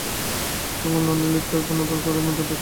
তখন নলিনাক্ষ পুনর্বার ঘরের মধ্যে প্রবেশ করিল।